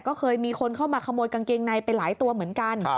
ก็เคยมีคนเข้ามาขโมยกางเกงในไปหลายตัวเหมือนกัน